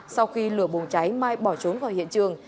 sau khi lửa bùng cháy mai bỏ chúng